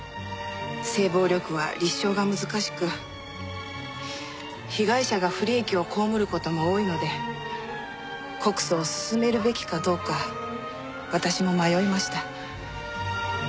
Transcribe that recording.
性暴力は立証が難しく被害者が不利益をこうむる事も多いので告訴を勧めるべきかどうか私も迷いました。